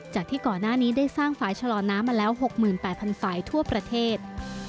จากที่ก่อนหน้านี้ได้สร้างฝ่ายชะลอน้ำมาแล้ว๖๘๐๐ฝ่ายทั่วประเทศ